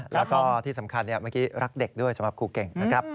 แล้วก็ที่สำคัญเมื่อกี้รักเด็กด้วยสำหรับครูเก่งนะครับ